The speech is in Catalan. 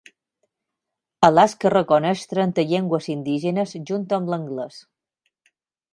Alaska reconeix trenta llengües indígenes junt amb l'anglès.